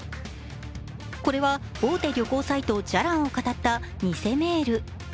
これは大手旅行サイト、じゃらんをかたった偽メール。